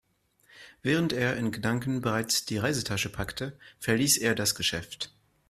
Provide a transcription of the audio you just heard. Während er in Gedanken bereits die Reisetasche packte, verließ er das Geschäft.